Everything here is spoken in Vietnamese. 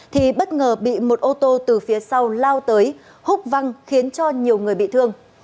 thì bất ngờ bị một ô tô từ phía sau lao tới húc văng khiến cho nhiều người bị thương